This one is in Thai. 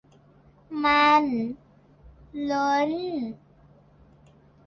มันล้น